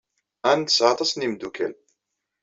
Ann tesɛa aṭas n yimeddukal.